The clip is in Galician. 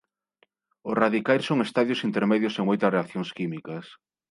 Os radicais son estadios intermedios en moitas reaccións químicas.